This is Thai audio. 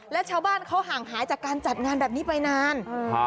แล้วชาวบ้านเขาห่างหายจากการจัดงานแบบนี้ไปนาน